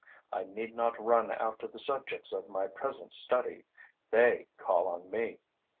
I need not run after the subjects of my present study; they call on me.